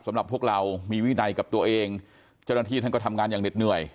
สำหรับพวกเรามีวินัยกับตัวเองเจ้าหน้าที่ท่านก็ทำงานอย่างเหน็ดเหนื่อย